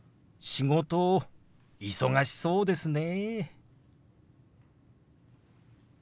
「仕事忙しそうですね」。